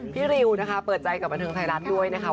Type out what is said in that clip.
ริวนะคะเปิดใจกับบันเทิงไทยรัฐด้วยนะคะ